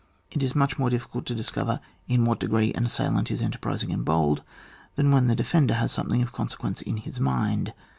It is much more difficult to discover in what degree an assailant is enterprising and bold than when the defender has something of consequence in his mind.